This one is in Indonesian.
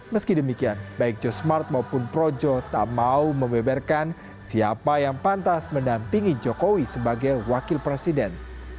meski demikian baik joe smart maupun projo tak mau membeberkan siapa yang pantas mendampingi jokowi sebagai wakil presiden